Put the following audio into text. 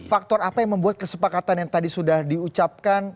faktor apa yang membuat kesepakatan yang tadi sudah diucapkan